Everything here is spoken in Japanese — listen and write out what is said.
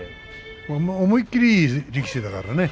思い切りのいい力士だからね。